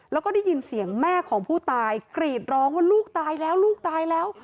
แล้วก็ได้ยินเสียงแม่ของผู้ตายกรีดร้องว่าลูกตายแล้วลูกตายแล้ว